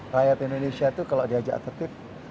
rakyat indonesia itu kalau diajak tertib bisa juga